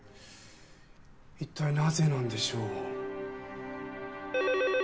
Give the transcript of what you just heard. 一体なぜなんでしょう？